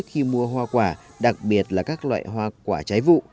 khi mua hoa quả đặc biệt là các loại hoa quả trái vụ